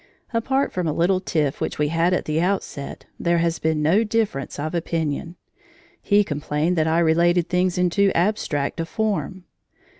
Apart from a little tiff which we had at the outset, there has been no difference of opinion. He complained that I related things in too abstract a form.